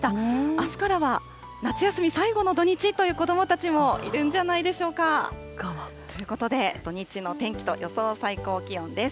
あすからは夏休み最後の土日という子どもたちもいるんじゃないでしょうか。ということで、土日の天気と予想最高気温です。